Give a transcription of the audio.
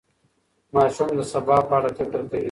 ماشوم د سبا په اړه فکر کوي.